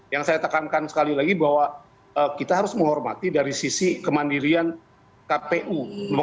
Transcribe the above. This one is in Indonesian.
yang saya tekankan sekali lagi bahwa kita harus menghormati dari sisi kemandirian kpu